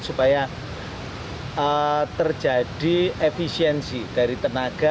supaya terjadi efisiensi dari tenaga